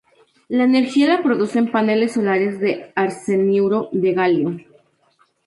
La energía la producen paneles solares de arseniuro de galio.